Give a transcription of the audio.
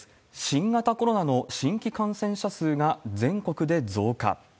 新型コロナの新規感染者数が全国で増加。